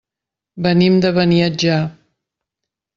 Venim de Beniatjar.